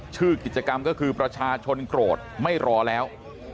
ชื่อกิจกรรมก็คือประชาชนโกรธไม่รอแล้ว